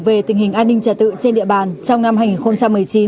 về tình hình an ninh trả tự trên địa bàn trong năm hai nghìn một mươi chín